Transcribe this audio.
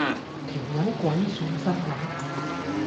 條友鬼上身咁